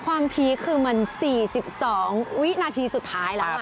พีคคือมัน๔๒วินาทีสุดท้ายแล้ว